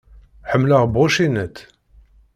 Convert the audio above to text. Ḥemmleɣ Brauchinet.